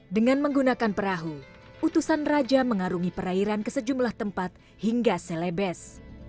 dengan menggunakan perahu utusan raja mengarungi perairan ke sejumlah tempat hingga selebes